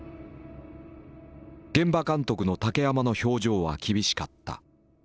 現場監督の竹山の表情は厳しかった。